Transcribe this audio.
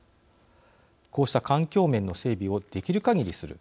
こうした環境面の整備をできるかぎりする。